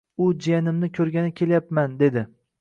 U jiyanimni koʻrgani ketyapman dedi.